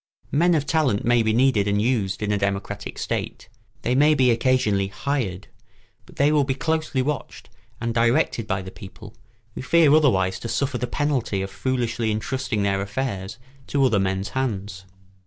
Men of talent may be needed and used in a democratic state; they may be occasionally hired; but they will be closely watched and directed by the people, who fear otherwise to suffer the penalty of foolishly intrusting their affairs to other men's hands.